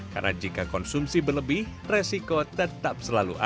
karena jika konsumsi berlebih resiko tetap selalu ada